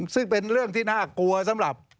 ซึ่งเป็นเรื่องที่น่ากลัวสำหรับ